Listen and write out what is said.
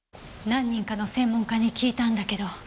何人かの専門家に聞いたんだけど。